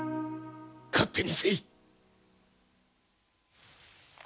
勝手にせい！